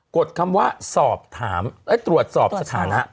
กดคำว่าตรวจสอบสถานะ